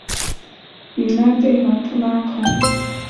米拉贝和布拉孔。